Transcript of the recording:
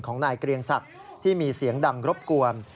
นายเกรียงศักดิ์ที่มีเสียงดังรบกวน